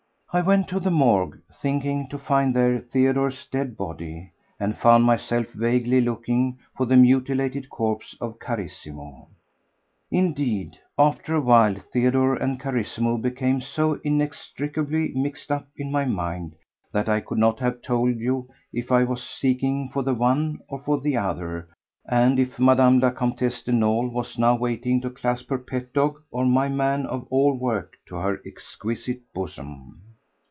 I went to the Morgue, thinking to find there Theodore's dead body, and found myself vaguely looking for the mutilated corpse of Carissimo. Indeed, after a while Theodore and Carissimo became so inextricably mixed up in my mind that I could not have told you if I was seeking for the one or for the other and if Mme. la Comtesse de Nolé was now waiting to clasp her pet dog or my man of all work to her exquisite bosom.